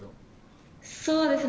そうですね。